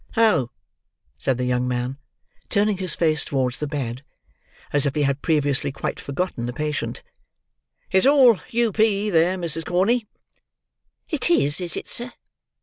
"Oh!" said the young man, turning his face towards the bed, as if he had previously quite forgotten the patient, "it's all U.P. there, Mrs. Corney." "It is, is it, sir?"